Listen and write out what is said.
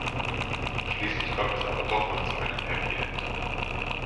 Schließlich kommt es aber doch noch zu einem Happy End.